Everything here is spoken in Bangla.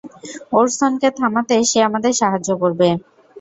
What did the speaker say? ওরসনকে থামাতে সে আমাদের সাহায্য করবে।